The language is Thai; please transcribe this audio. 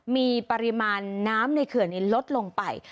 มีปริมาณน้ำในเขื่อนลดลงไป